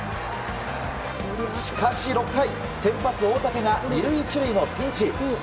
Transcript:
しかし、６回先発、大竹が２塁１塁のピンチ。